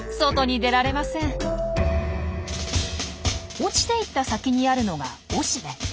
落ちていった先にあるのは雄しべ。